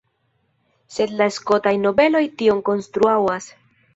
Sed la skotaj nobeloj tion kontraŭas.